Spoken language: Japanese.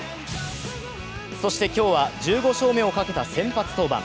そして今日は、１５勝目をかけた先発登板。